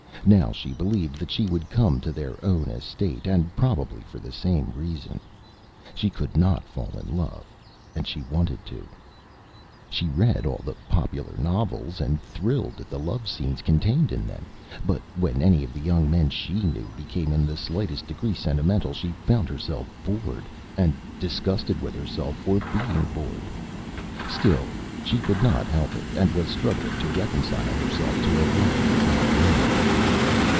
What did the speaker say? Now she believed that she would come to their own estate, and probably for the same reason. She could not fall in love and she wanted to. She read all the popular novels and thrilled at the love scenes contained in them, but when any of the young men she knew became in the slightest degree sentimental she found herself bored, and disgusted with herself for being bored. Still, she could not help it, and was struggling to reconcile herself to a life without romance.